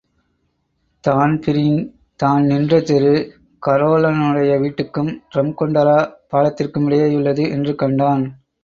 தான்பிரீன்தான் நின்ற தெரு கரோலனுடைய வீட்டுக்கும் டிரம்கொண்டரா பாலத்திற்குமிடையேயுள்ளது என்று கண்டான்.